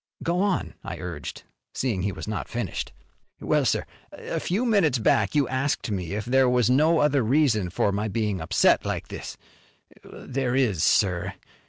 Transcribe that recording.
"Go on," I urged, seeing he was not finished. "Well, sir, a few minutes back you asked me if there was no other reason for my being upset like. There is, sir.